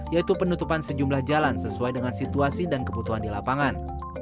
yaitu penutupan sejumlah jalan sesuai dengan situasi dan kebutuhan di lapangan